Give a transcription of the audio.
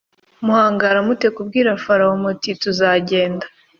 muhangara mute kubwira farawo muti tuzagenda